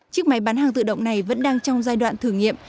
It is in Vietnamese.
chiếc máy bán hàng tự động này vẫn đang trong giai đoạn thử nghiệm